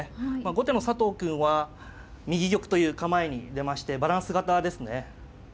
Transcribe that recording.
後手の佐藤くんは右玉という構えに出ましてバランス型ですね。